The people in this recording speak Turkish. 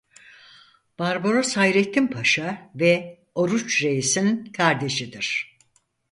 Barbaros Hayreddin Paşa ve Oruç Reis'in kardeşidir.